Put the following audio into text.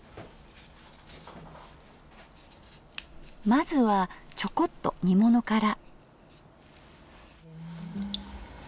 まずはちょこっと煮物から。